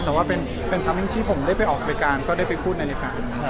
แต่ว่าเป็นทัมมิ่งที่ผมได้ไปออกบริการก็ได้ไปพูดในบริการ